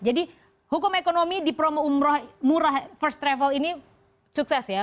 jadi hukum ekonomi di promo murah first travel ini sukses ya